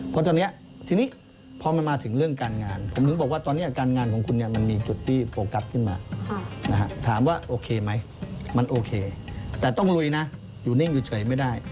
เพราะตอนนี้ทีนี้พอมันมาถึงเรื่องการงานผมถึงบอกว่าตอนนี้การงานของคุณเนี่ยมันมีจุดที่โฟกัสขึ้นมาถามว่าโอเคไหมมันโอเคแต่ต้องลุยนะอยู่นิ่งอยู่เฉยไม่ได้